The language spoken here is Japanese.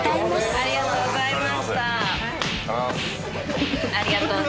ありがとうございます。